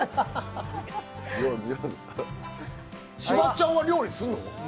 柴っちゃんは料理するの？